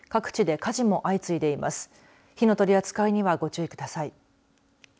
火の取り扱いにはご注意ください。